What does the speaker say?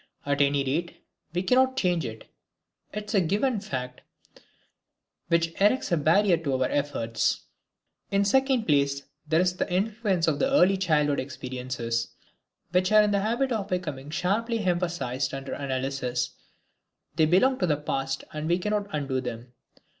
At any rate, we cannot change it; it is a given fact which erects a barrier to our efforts. In the second place, there is the influence of the early experiences of childhood, which are in the habit of becoming sharply emphasized under analysis; they belong to the past and we cannot undo them.